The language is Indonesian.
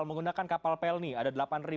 menggunakan kapal pelni ada